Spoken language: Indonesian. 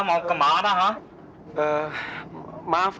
dasar perempuan gatel